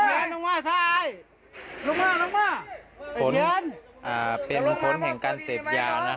ใช้คุ้มครั้งนะครับ